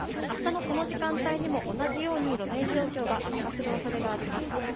あしたのこの時間帯にも同じように路面状況が悪化するおそれがあります。